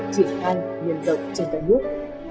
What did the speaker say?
chỉ ngang nền rộng trên cây nước